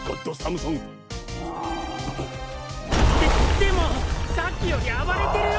ででもさっきより暴れてるよ！